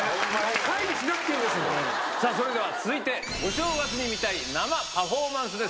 さあ、それでは続いて、お正月に見たい生パフォーマンスです。